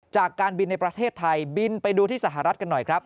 จากการบินในประเทศไทยบินไปดูที่สหรัฐกันหน่อยครับ